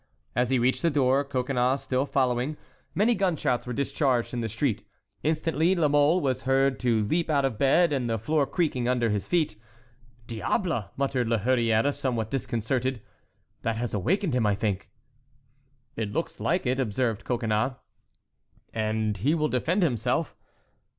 As he reached the door, Coconnas still following, many gunshots were discharged in the street. Instantly La Mole was heard to leap out of bed and the flooring creaked under his feet. "Diable!" muttered La Hurière, somewhat disconcerted; "that has awakened him, I think." "It looks like it," observed Coconnas. "And he will defend himself."